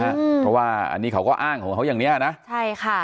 เพราะว่าอันนี้เขาก็อ้างของเขาอย่างเนี้ยนะใช่ค่ะ